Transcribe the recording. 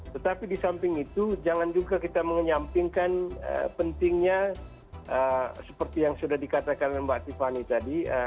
tetapi di samping itu jangan juga kita menyampingkan pentingnya seperti yang sudah dikatakan mbak tiffany tadi